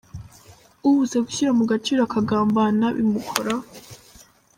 Ubuze gushyira mu gaciro akagambana bimukoraho.